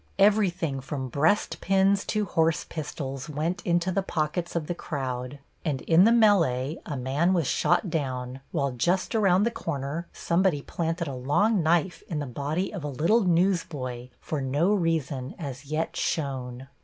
Everything from breast pins to horse pistols went into the pockets of the crowd, and in the melee a man was shot down, while just around the corner somebody planted a long knife in the body of a little newsboy for no reason as yet shown.